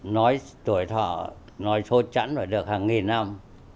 nói tuổi thợ nói sốt chẳng phải được hàng nghìn năm